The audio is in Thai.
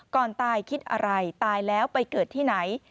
ก่อนตายคิดอะไรตายแล้วไปเกิดที่ไหน